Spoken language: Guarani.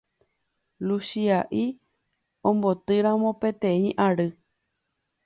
Luchia'i ombotýramo peteĩ ary